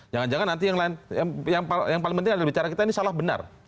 jangan jangan nanti yang lain yang paling penting adalah bicara kita ini salah benar